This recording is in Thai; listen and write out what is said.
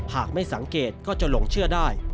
หากไม่สังเกตก็จะหลงเชื่อได้